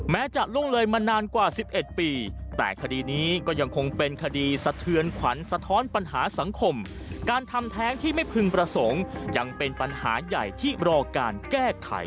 จะล่วงเลยมานานกว่า๑๑ปีแต่คดีนี้ก็ยังคงเป็นคดีสะเทือนขวัญสะท้อนปัญหาสังคมการทำแท้งที่ไม่พึงประสงค์ยังเป็นปัญหาใหญ่ที่รอการแก้ไข